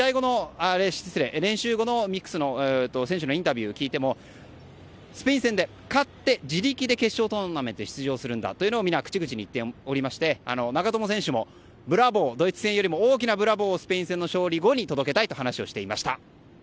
練習後の選手のインタビューを聞いてもスペイン戦に勝って自力で決勝トーナメントに出場するんだと皆、口々に言っておりまして長友選手もドイツ戦よりも大きなブラボーをスペイン戦の勝利後に届けたいと話をしていました。